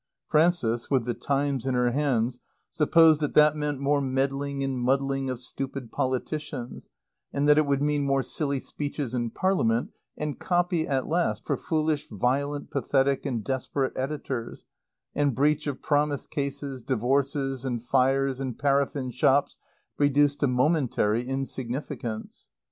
Frances, with the Times in her hands, supposed that that meant more meddling and muddling of stupid politicians, and that it would mean more silly speeches in Parliament, and copy, at last, for foolish violent, pathetic and desperate editors, and breach of promise cases, divorces and fires in paraffin shops reduced to momentary insignificance.